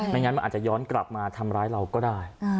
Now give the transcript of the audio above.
งั้นมันอาจจะย้อนกลับมาทำร้ายเราก็ได้